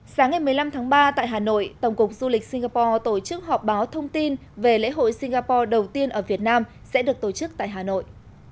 sáng ngày một mươi năm tháng ba tại hà nội tổng cục du lịch singapore tổ chức họp báo thông tin về lễ hội singapore đầu tiên ở việt nam sẽ được tổ chức tại hà nội